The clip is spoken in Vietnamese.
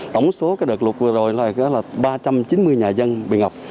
tổng số cái đợt lũ vừa rồi là ba trăm chín mươi nhà dân bị ngập